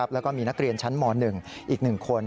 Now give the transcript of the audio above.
แล้วก็มีนักเรียนชั้นม๑อีก๑คน